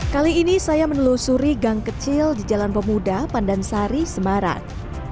kali ini saya menelusuri gang kecil di jalan pemuda pandansari semarang